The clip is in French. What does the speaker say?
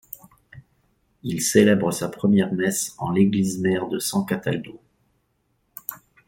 Il célèbre sa première messe en l'église-mère de San Cataldo.